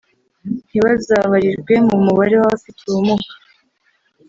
ntibazabarirwe mu mubare w’abafite ubumuga